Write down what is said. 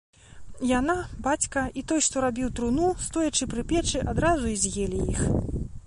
Яна, бацька і той, што рабіў труну, стоячы пры печы, адразу і з'елі іх.